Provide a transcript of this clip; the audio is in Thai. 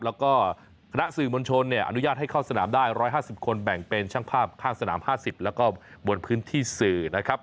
แล้วก็คณะสื่อมวลชนเนี่ยอนุญาตให้เข้าสนามได้๑๕๐คนแบ่งเป็นช่างภาพข้างสนาม๕๐แล้วก็บนพื้นที่สื่อนะครับ